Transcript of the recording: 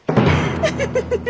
ウフフフフ。